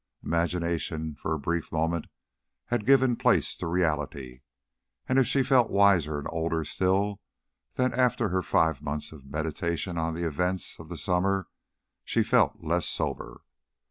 Imagination for a brief moment had given place to reality, and if she felt wiser and older still than after her five months of meditation on the events of the summer, she felt less sober.